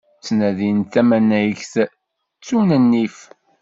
Ttnadin tamanegt, ttun nnif.